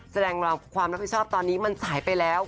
แสดงความรับผิดชอบตอนนี้มันสายไปแล้ว